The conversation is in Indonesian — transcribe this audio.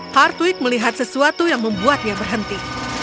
hartwig melihat sesuatu yang membuatnya berhenti